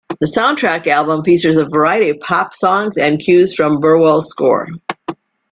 The soundtrack album features a variety of pop songs and cues from Burwell's score.